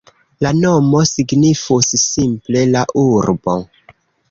La nomo signifus simple "la urbo".